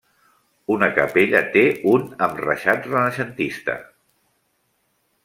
Una capella té un amb reixat renaixentista.